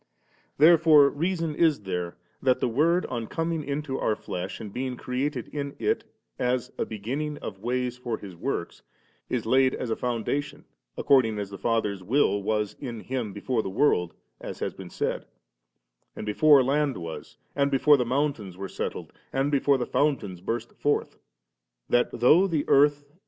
Therefore reason is there that the Word, on coming into our flesh, and being created in it as ' a beginning of ways for His works,' is laid as a foundation according as the Father's willJ was in Him before the world, as has been said, and before land was, and before the mountains were settled, and before the fountains burst forth ; that, though the earth and